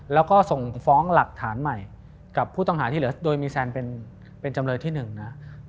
แล้วก็ส่งฟ้องหลักฐานใหม่กับผู้ต้องหาที่เหลือโดยมีแซนเป็นจำเลยที่๑นะ